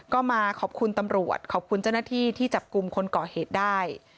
ก็มาขอบคุณตำรวจขอบคุณเจ้าหน้าที่ที่จับกลุ่มคนก่อเหตุได้